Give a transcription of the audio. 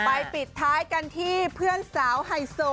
ปิดท้ายกันที่เพื่อนสาวไฮโซ